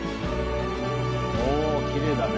おぉきれいだね。